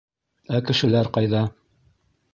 Ә кешеләр ҡайҙа?